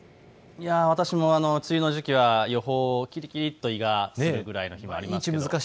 私も梅雨の時期は予報、きりきりと胃がするくらいの日もあります。